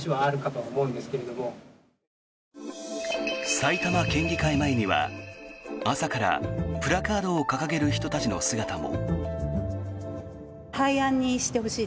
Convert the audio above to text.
埼玉県議会前には朝からプラカードを掲げる人たちの姿も。